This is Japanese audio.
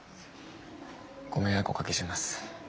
ご迷惑おかけします。